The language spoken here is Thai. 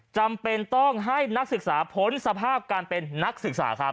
จำเป็นต้องให้นักศึกษาพ้นสภาพการเป็นนักศึกษาครับ